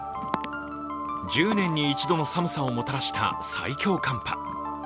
１０年に一度の寒さをもたらした最強寒波。